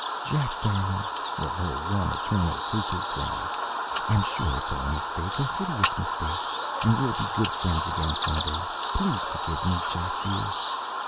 "Jack, darling!" was her one eternal cuckoo cry: "I'm sure it's all a mistake a hideous mistake; and we'll be good friends again some day. Please forgive me, Jack, dear."